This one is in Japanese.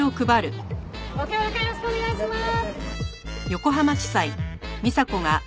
ご協力よろしくお願いします。